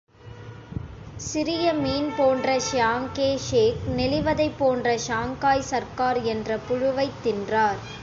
சிறிய மீன் போன்ற சியாங்கே ஷேக், நெளிவதைப் போன்ற ஷாங்காய் சர்க்கார் என்ற புழுவைத் தின்றார்.